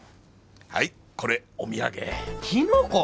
はいこれお土産キノコ！？